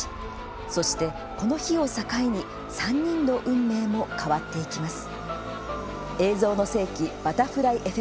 そして、この日を境に３人の運命も変わっていきます。